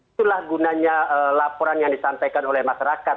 itulah gunanya laporan yang disampaikan oleh masyarakat